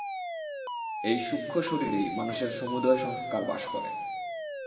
এই সূক্ষ্মশরীরেই মানুষের সমুদয় সংস্কার বাস করে।